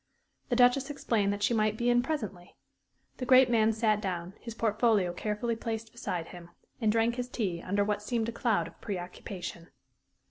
The Duchess explained that she might be in presently. The great man sat down, his portfolio carefully placed beside him, and drank his tea under what seemed a cloud of preoccupation.